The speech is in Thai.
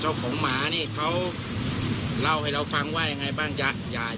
เจ้าฝงหมานี่เขาเล่าให้เราฟังว่าอย่างไรบ้างอย่าอย่า